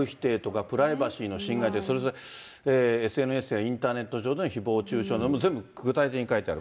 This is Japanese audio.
脅迫とか人格否定とか、プライバシーの侵害、それぞれ、ＳＮＳやインターネット上のひぼう中傷、全部具体的に書いてある。